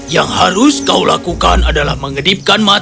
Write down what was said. yang harus kau lakukan adalah mengedipkan mata